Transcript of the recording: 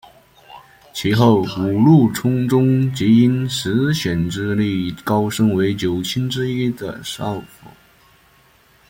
其后五鹿充宗即因石显之力高升为九卿之一的少府。